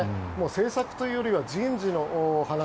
政策というよりは人事の話。